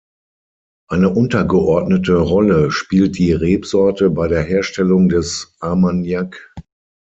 Eine untergeordnete Rolle spielt die Rebsorte bei der Herstellung des Armagnac.